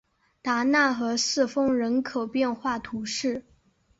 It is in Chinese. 达讷和四风人口变化图示